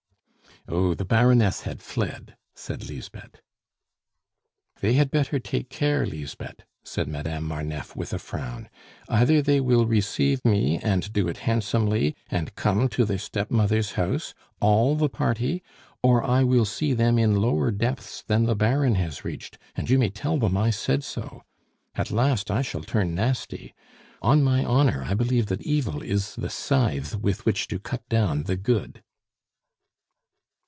"Oh, the Baroness had fled," said Lisbeth. "They had better take care, Lisbeth," said Madame Marneffe, with a frown. "Either they will receive me and do it handsomely, and come to their stepmother's house all the party! or I will see them in lower depths than the Baron has reached, and you may tell them I said so! At last I shall turn nasty. On my honor, I believe that evil is the scythe with which to cut down the good."